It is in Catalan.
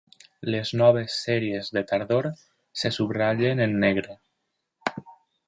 Les noves series de tardor se subratllen en negre.